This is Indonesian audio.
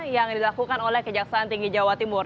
yang dilakukan oleh kejaksaan tinggi jawa timur